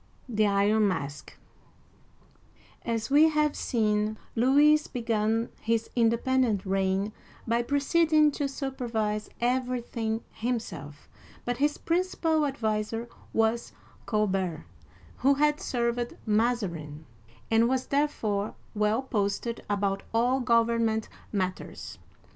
THE IRON MASK ' AS we have seen, Louis began his independent reign by proceeding to supervise everything himself, but his principal adviser was Colbert, who had served Mazarin, and was therefore well posted about all government matters.